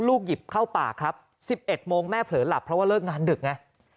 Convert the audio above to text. หยิบเข้าปากครับ๑๑โมงแม่เผลอหลับเพราะว่าเลิกงานดึกไง